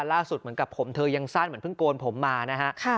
เหมือนกับผมเธอยังสั้นเหมือนเพิ่งโกนผมมานะฮะ